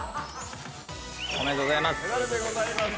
おめでとうございます。